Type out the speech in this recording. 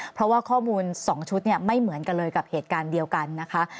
เพราะว่าข้อมูล๒ชุดไม่เหมือนกันเลยกับเหตุการณ์เดียวกันนะคะ